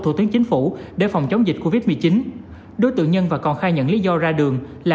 thủ tướng chính phủ để phòng chống dịch covid một mươi chín đối tượng nhân và còn khai nhận lý do ra đường là